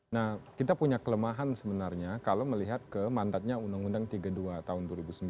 nah kita punya kelemahan sebenarnya kalau melihat ke mandatnya undang undang tiga puluh dua tahun dua ribu sembilan